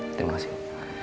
ya terima kasih bu